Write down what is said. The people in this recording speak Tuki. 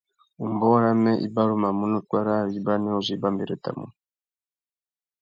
Umbōh râmê i barumanú nà upwê râā râ ibanê uzu i bambarétamú.